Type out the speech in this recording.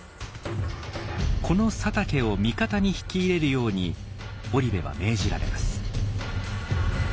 この佐竹を味方に引き入れるように織部は命じられます。